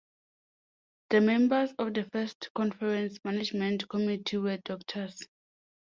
The members of the first conference management committee were Drs.